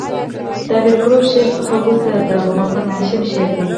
د امیر کروړ شعر څخه ورسته د ابو محمد هاشم شعر دﺉ.